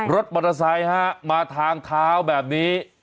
รถมอเตอร์ไซค์ฮะมาทางเท้าแบบนี้